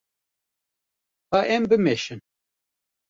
Ka em bimeşin.